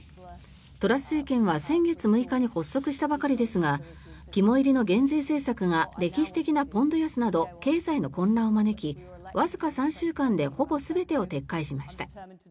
トラス政権は先月６日に発足したばかりですが肝煎りの減税政策が歴史的なポンド安など経済の混乱を招きわずか３週間でほぼ全てを撤回しました。